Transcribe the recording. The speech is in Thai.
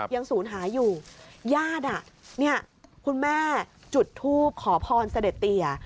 ยังศูนย์หายอยู่ญาติคุณแม่จุดทูปขอพรเสด็จเตีย